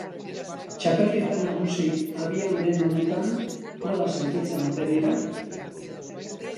Txapelketa nagusi abian den honetan nola sentitzen ote dira?